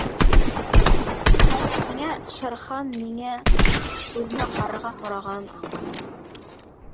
— Хәҙер ниңә Шер Хан миңә... күҙенә ҡарарға һорағанын аңланым.